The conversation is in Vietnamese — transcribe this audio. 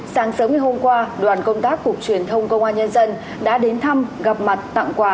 sáng sớm ngày hôm qua đoàn công tác cục truyền thông công an nhân dân đã đến thăm gặp mặt tặng quà